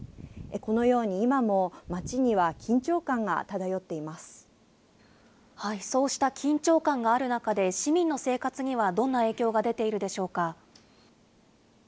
このように今も街には緊張感が漂そうした緊張感がある中で、市民の生活にはどんな影響が出ているでしょうか。